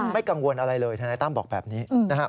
กังวลอะไรเลยทนายตั้มบอกแบบนี้นะครับ